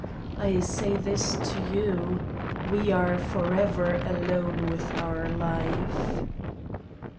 I say this to you : we are forever alone with our life.